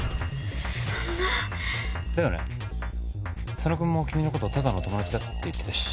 佐野君も君のことただの友達だって言ってたし。